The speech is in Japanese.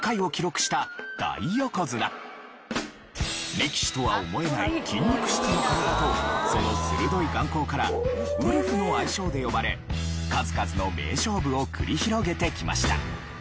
力士とは思えない筋肉質の体とその鋭い眼光からウルフの愛称で呼ばれ数々の名勝負を繰り広げてきました。